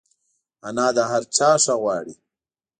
انا د هر چا ښه غواړي